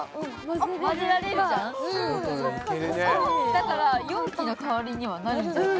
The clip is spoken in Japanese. だから容器の代わりにはなるんじゃない？